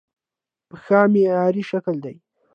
پښه معیاري شکل دی.